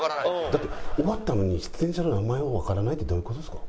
だって終わったのに出演者の名前もわからないってどういう事ですか？